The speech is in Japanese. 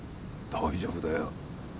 大丈夫だよ。